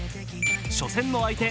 初戦の相手